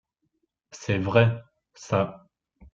C'est vrai, ça …